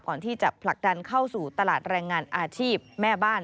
ผลักดันเข้าสู่ตลาดแรงงานอาชีพแม่บ้าน